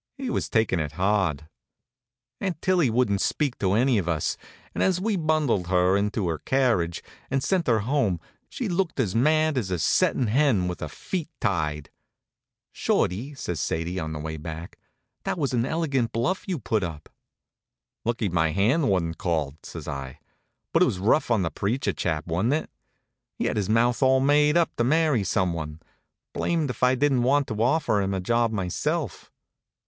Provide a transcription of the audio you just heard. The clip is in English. He was takin' it hard. Aunt Tillie wouldn't speak to any of us, and as we bundled her into her carriage and sent her home she looked as mad as a settin' hen with her feet tied. "Shorty," says Sadie, on the way back, "that was an elegant bluff you put up." "Lucky my hand wa'n't called," says I. "But it was rough on the preacher chap, wa'n't it? He had his mouth all made up to marry some one. Blamed if I didn't want to offer him a job myself."